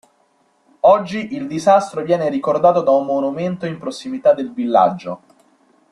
Oggi il disastro viene ricordato da un monumento in prossimità del villaggio.